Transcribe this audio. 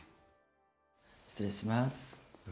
失礼します。